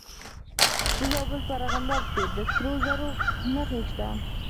د زابل په ارغنداب کې د سرو زرو نښې شته.